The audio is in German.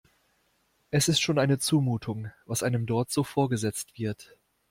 Es ist schon eine Zumutung, was einem dort so vorgesetzt wird.